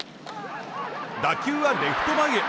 打球はレフト前へ。